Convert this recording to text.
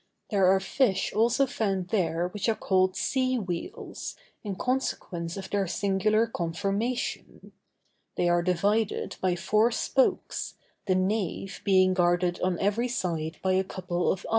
There are fish also found there which are called sea wheels, in consequence of their singular conformation; they are divided by four spokes, the nave being guarded on every side by a couple of eyes.